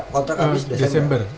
kontrak habis desember